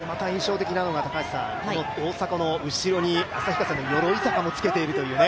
そしてまた印象的なのが大迫の後ろに旭化成の鎧坂もつけているというね。